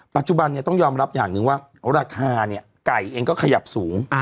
ปัจจุบันต้องยอมรับอย่างหนึ่งว่าราคาเนี่ยไก่เองก็ขยับสูง